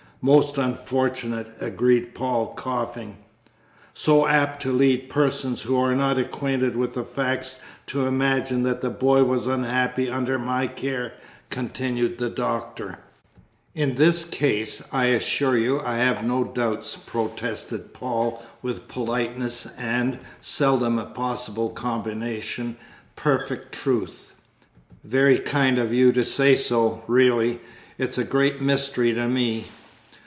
"Most unfortunate," agreed Paul, coughing. "So apt to lead persons who are not acquainted with the facts to imagine that the boy was unhappy under my care," continued the Doctor. "In this case, I assure you, I have no doubts," protested Paul with politeness and (seldom a possible combination) perfect truth. "Very kind of you to say so; really, it's a great mystery to me.